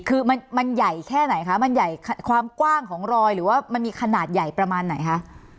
คือมันใหญ่แค่ไหนคะมันใหญ่ความกว้างของรอยหรือว่ามันมีขนาดใหญ่ประมาณไหนคะ